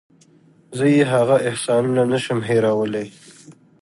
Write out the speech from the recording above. زه یې هغه احسانونه نشم هېرولی.